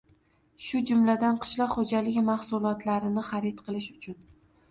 shu jumladan qishloq xo‘jaligi mahsulotlarini xarid qilish uchun